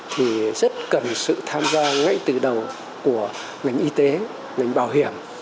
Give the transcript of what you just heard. thì rất cần sự tham gia ngay từ đầu của ngành y tế ngành bảo hiểm